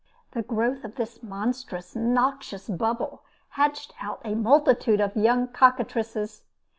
The growth of this monstrous, noxious bubble hatched out a multitude of young cockatrices.